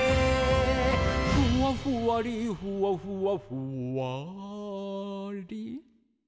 「ふわふわりふわふわふわり」